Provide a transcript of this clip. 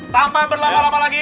tanpa berlama lama lagi